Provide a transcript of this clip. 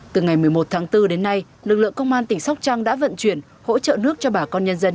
từ ngày một mươi một tháng bốn đến nay lực lượng công an tỉnh sóc trăng đã vận chuyển hỗ trợ nước cho bà con nhân dân